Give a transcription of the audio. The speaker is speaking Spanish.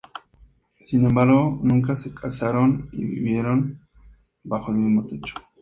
Sin embargo, nunca se casaron ni vivieron bajo el mismo techo.